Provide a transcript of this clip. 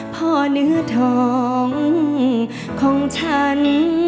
เนื้อทองของฉัน